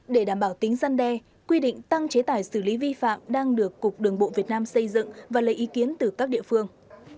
để đảm bảo tính gian đe quy định tăng chế tải xử lý vi phạm đang được cục đường bộ việt nam xây dựng và lấy ý kiến từ các địa phương